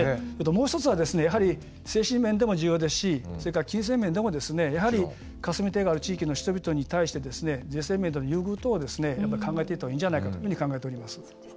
もう１つはやはり精神面でも重要ですしそれから金銭面でも、やはり霞堤がある地域の人々に対して税制面での優遇等を考えていったほうがいいんじゃないかというふうに考えています。